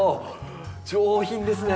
上品ですね。